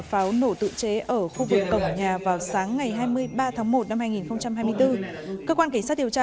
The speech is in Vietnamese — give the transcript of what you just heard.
pháo nổ tự chế ở khu vực cổng nhà vào sáng ngày hai mươi ba tháng một năm hai nghìn hai mươi bốn cơ quan cảnh sát điều tra